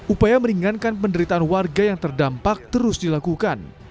upaya meringankan penderitaan warga yang terdampak terus dilakukan